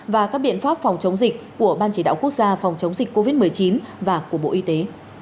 và các biện pháp phòng chống dịch của ban chỉ đạo quốc gia phòng chống dịch covid một mươi chín và của bộ y tế